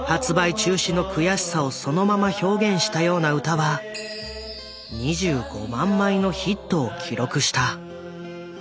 中止の悔しさをそのまま表現したような歌は２５万枚のヒットを記録した。